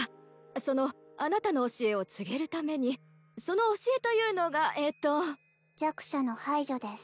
そのあなたの教えを告げその教えというのがえっと弱者の排除です